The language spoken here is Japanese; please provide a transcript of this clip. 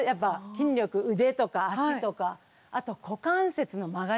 筋力腕とか脚とかあと股関節の曲がり方。